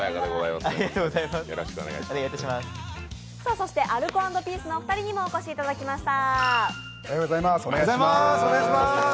そしてアルコ＆ピースのお二人にもお越しいただきました。